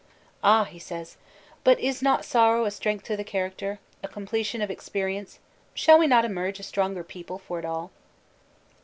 "Ah," he says, "but is not sorrow a strength to the character, a completion of experience shall we not emerge a stronger people for it all?"